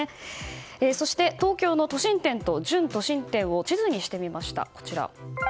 そして東京の都心店と準都心店を地図にしてみました。